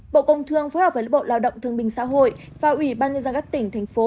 bộ công thương phối hợp với bộ lao động thương bình xã hội và ubnd các tỉnh thành phố